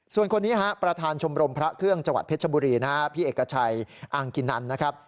ส่วนคนนี้ฮะประธานชมรมพระเครื่องจังหวัดเพชรบุรีนะฮะพี่เอกชัยอังกินันนะครับ